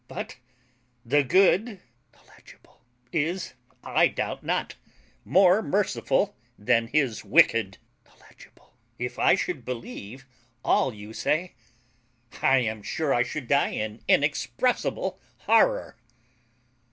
But the good ... is, I doubt not, more merciful than his wicked.. If I should believe all you say, I am sure I should die in inexpressible horrour.